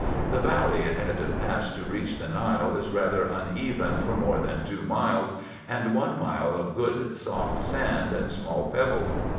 The valley it had to pass to reach the Nile is rather uneven for more than two miles, and one mile of good soft sand and small pebbles.